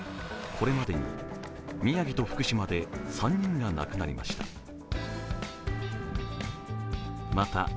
これまでに宮城と福島で３人が亡くなりました。